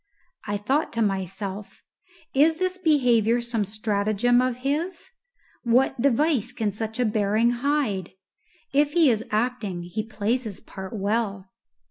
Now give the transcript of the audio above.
I thought to myself, "Is this behaviour some stratagem of his? What device can such a bearing hide? If he is acting, he plays his part well."